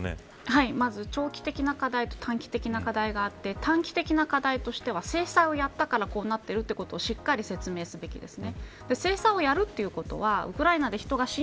まず長期的な課題と短期的な課題があって短期的な課題としては制裁をやったからこんなことになっていることをしっかり意識するべきです。